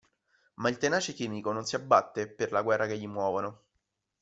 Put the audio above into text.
Ma il tenace chimico non si abbatte per la guerra che gli muovono.